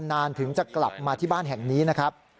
นานถึงจะกลับมาที่บ้านแห่งนี้นะครับ